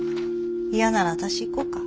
嫌なら私行こうか？